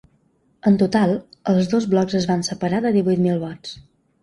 En total, els dos blocs es van separar de divuit mil vots.